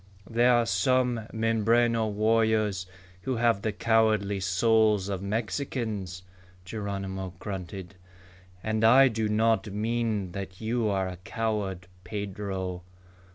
"There are some Mimbreno warriors who have the cowardly souls of Mexicans," Geronimo grunted. "And I do not mean that you are a coward, Pedro."